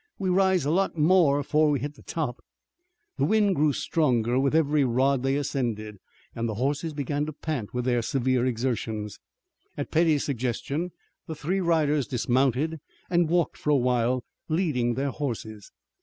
We rise a lot more before we hit the top." The wind grew stronger with every rod they ascended, and the horses began to pant with their severe exertions. At Petty's suggestion the three riders dismounted and walked for a while, leading their horses.